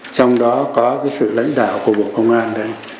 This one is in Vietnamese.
trong đó có cái sự lãnh đạo của bộ công an đấy